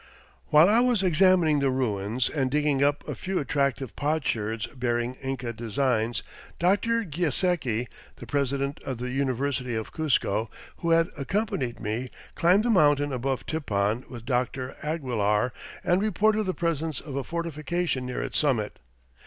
While I was examining the ruins and digging up a few attractive potsherds bearing Inca designs, Dr. Giesecke, the President of the University of Cuzco, who had accompanied me, climbed the mountain above Tipon with Dr. Aguilar and reported the presence of a fortification near its summit.